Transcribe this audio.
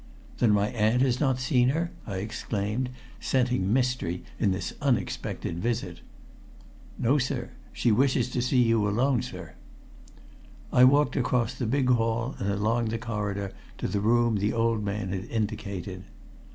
"Then my aunt has not seen her?" I exclaimed, scenting mystery in this unexpected visit. "No, sir. She wishes to see you alone, sir." I walked across the big hall and along the corridor to the room the old man had indicated.